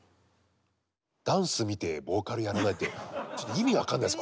ダンス見てボーカルやらない？って意味分かんないです